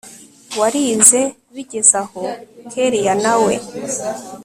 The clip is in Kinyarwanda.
warize bigeze hano kellia nawe